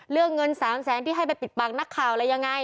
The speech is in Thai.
เรื่องเงิน๓แสนที่ให้ไปปิดปากนักข่าวอะไรยังไง